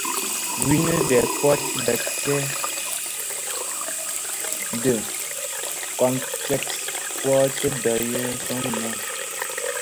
L’une des portes d’accès de Conques porte d’ailleurs son nom.